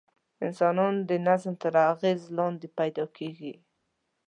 انسانان د نظم تر اغېز لاندې پیدا کېږي.